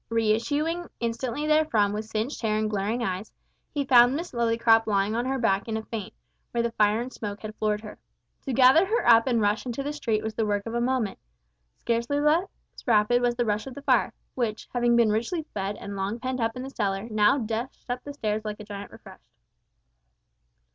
Re issuing instantly therefrom with singed hair and glaring eyes, he found Miss Lillycrop lying on her back in a faint, where the fire and smoke had floored her. To gather her up and dash into the street was the work of a moment. Scarcely less rapid was the rush of the fire, which, having been richly fed and long pent up in the cellar, now dashed up the staircases like a giant refreshed.